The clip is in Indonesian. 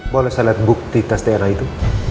boleh saya lihat bukti tes dna itu